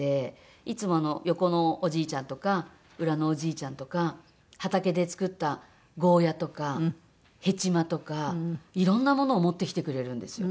いつも横のおじいちゃんとか裏のおじいちゃんとか畑で作ったゴーヤとかヘチマとかいろんなものを持ってきてくれるんですよ。